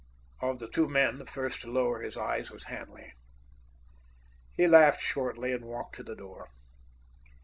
Of the two men, the first to lower his eyes was Hanley. He laughed shortly, and walked to the door.